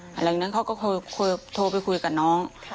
หลังจากนั้นเขาก็โทรไปคุยกับน้อง